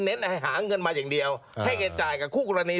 ให้หาเงินมาอย่างเดียวให้เงินจ่ายกับคู่กรณี